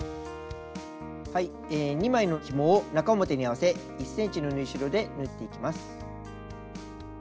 ２枚のひもを中表に合わせ１ｃｍの縫い代で縫っていきます。